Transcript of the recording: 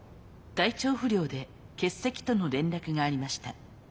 体調不良で欠席との連絡がありました。